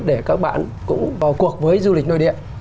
để các bạn cũng vào cuộc với du lịch nội địa